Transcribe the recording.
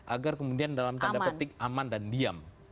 agar kemudian dalam tanda petik aman dan diam